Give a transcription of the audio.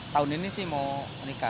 tahun ini sih mau nikah